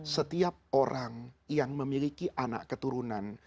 setiap orang yang memiliki anak keturunan